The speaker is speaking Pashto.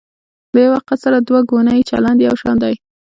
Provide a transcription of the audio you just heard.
له یوه حقیقت سره دوه ګونی چلند یو شان دی.